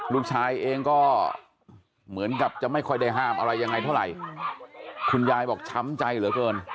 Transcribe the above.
ลูกชายเองก็เหมือนกับจะไม่ค่อยได้ห้ามอะไรยังไงเท่าไหร่คุณยายบอกช้ำใจเหลือเกิน